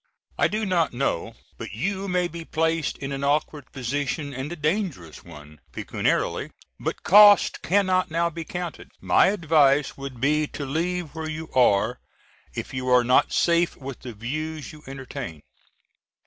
I do not know but you may be placed in an awkward position, and a dangerous one pecuniarily, but costs cannot now be counted. My advice would be to leave where you are if you are not safe with the views you entertain.